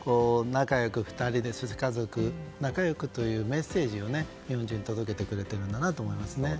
２人仲良くというメッセージを日本人に届けてくれているなと思いますね。